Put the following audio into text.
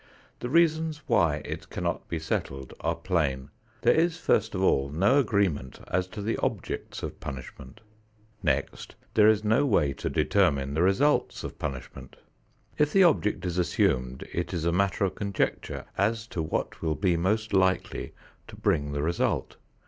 The reasons why it cannot be settled are plain. There is first of all no agreement as to the objects of punishment. Next there is no way to determine the results of punishment. If the object is assumed it is a matter of conjecture as to what will be most likely to bring the result.